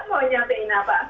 kakak mau nyampein apa